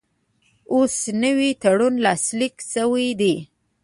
اوس نوی تړون لاسلیک شوی دی.